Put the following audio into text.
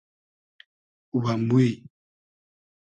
و موی